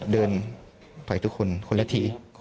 เดินต่อยทุกคนคนละทีครับ